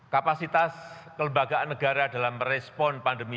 kapasitas kelembagaan negara dalam merespon pandemi